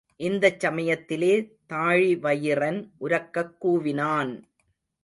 இந்தச் சமயத்திலே தாழிவயிறன் உரக்கக் கூவினான்.